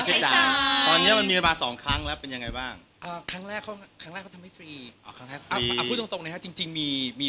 ในวันต่อเนี่ยทำงานอยู่เท่าที่นี่หากผิดแตนก็ต้องทำงาน